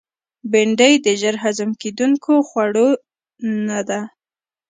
بېنډۍ د ژر هضم کېدونکو خوړو نه ده